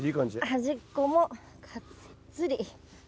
端っこもがっつり。